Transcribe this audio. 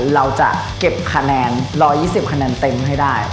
เราจะเก็บคะแนน๑๒๐คะแนนเต็มให้ได้